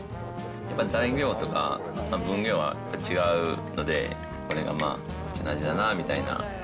やっぱ材料とか分量が違うので、これがうちの味だなみたいな。